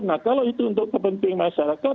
nah kalau itu untuk kepentingan masyarakat